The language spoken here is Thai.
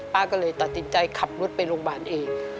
ป้าก็เลยตัดสินใจขับรถไปโรงพยาบาลเอง